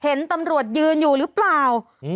เห็นตำรวจยืนอยู่หรือเปล่า